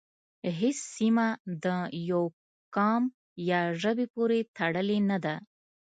هیڅ سیمه د یوه قوم یا ژبې پورې تړلې نه ده